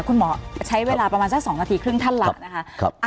คุณหมอใช้เวลาประมาณสัก๒นาทีครึ่งท่านละนะคะ